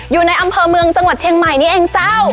อยู่ในอำเภอเมืองจังหวัดเชียงใหม่นี่เองเจ้า